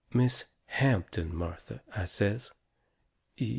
"Miss Hampton, Martha," I says.